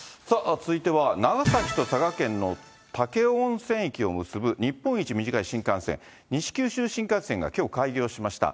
続いては長崎と佐賀県の武雄温泉駅を結ぶ日本一短い新幹線、西九州新幹線がきょう開業しました。